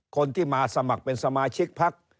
คนที่มาสมัครเป็นสมาชิกพัก